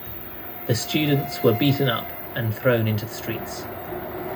The students were beaten up and thrown into the streets.